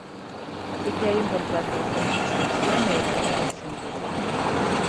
Si que hai un contraste entre Sebastian e ela, nese sentido.